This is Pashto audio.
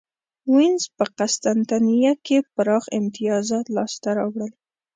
وینز په قسطنطنیه کې پراخ امیتازات لاسته راوړل.